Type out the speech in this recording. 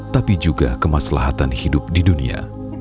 tapi juga kemaslahatan hidup di dunia